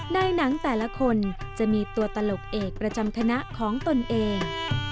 ในหนังแต่ละคนจะมีตัวตลกเอกประจำคณะของตนเอง